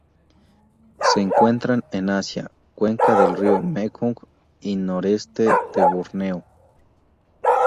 Se encuentran en Asia: cuenca del río Mekong y noroeste de Borneo.